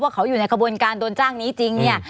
เขาอยู่ในกระบวนการโดนจ้างนี้จริงเนี่ย